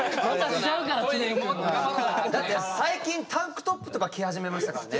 だって最近タンクトップとか着始めましたからね。